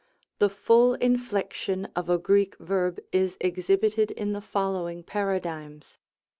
The full inflection of a Greek verb is exhibited in the following Paradigms.